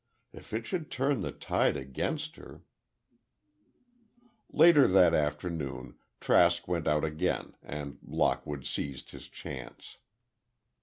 If it should turn the tide against her—" Later that afternoon, Trask went out again and Lockwood seized his chance.